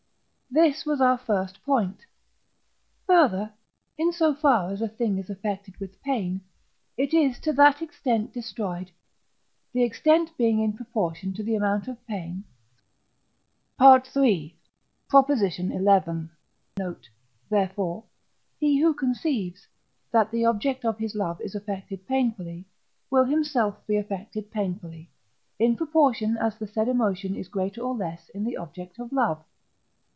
This was our first point. Further, in so far as a thing is affected with pain, it is to that extent destroyed, the extent being in proportion to the amount of pain (III. xi. note); therefore (III. xix.) he who conceives, that the object of his love is affected painfully, will himself be affected painfully, in proportion as the said emotion is greater or less in the object of love.